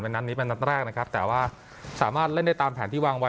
นัดนี้เป็นนัดแรกนะครับแต่ว่าสามารถเล่นได้ตามแผนที่วางไว้